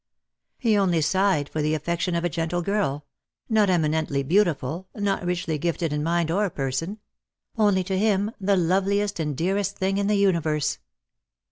He only sighed for the affection of a gentle girl — not eminently beautiful, not richly gifted in mind or person ; only to him the loveliest and dearest thing in the universe.